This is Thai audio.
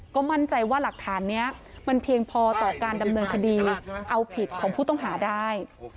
ก็มั่นใจว่าหลักฐานนี้มันเพียงพอต่อการดำเนินคดีเอาผิดของผู้ต้องหาได้